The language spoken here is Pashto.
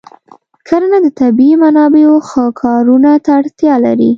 کرنه د طبیعي منابعو ښه کارونه ته اړتیا لري.